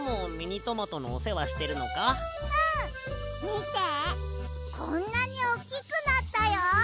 みてこんなにおっきくなったよ！